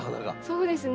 そうですね。